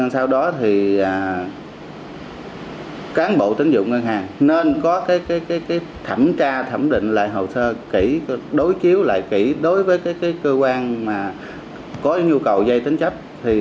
sau đó thì cán bộ tính dụng ngân hàng nên có thẩm tra thẩm định lại hồ sơ đối chiếu lại kỹ đối với cơ quan có nhu cầu dây tính chấp